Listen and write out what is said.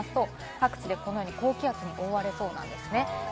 各地でこのように高気圧に覆われそうなんです。